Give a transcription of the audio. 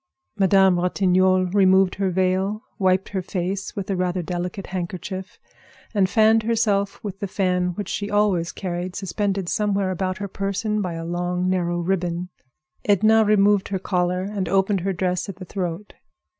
Madame Ratignolle removed her veil, wiped her face with a rather delicate handkerchief, and fanned herself with the fan which she always carried suspended somewhere about her person by a long, narrow ribbon. Edna removed her collar and opened her dress at the throat.